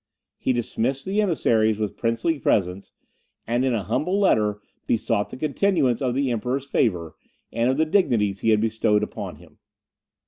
He dismissed the emissaries with princely presents; and in a humble letter besought the continuance of the Emperor's favour, and of the dignities he had bestowed upon him.